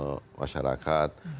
bagaimana antusiasme masyarakat